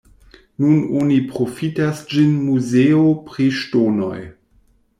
Nun oni profitas ĝin muzeo pri ŝtonoj.